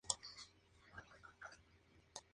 Muchos factores influyeron en la creación del poema.